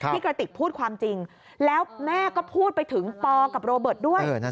กระติกพูดความจริงแล้วแม่ก็พูดไปถึงปอกับโรเบิร์ตด้วย